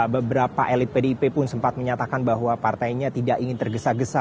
beberapa elit pdip pun sempat menyatakan bahwa partainya tidak ingin tergesa gesa